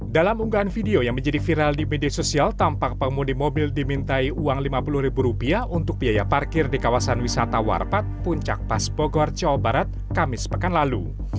dalam unggahan video yang menjadi viral di media sosial tampak pengemudi mobil dimintai uang rp lima puluh ribu rupiah untuk biaya parkir di kawasan wisata warpat puncak pas bogor jawa barat kamis pekan lalu